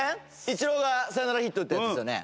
イチローがサヨナラヒット打ったやつですよね。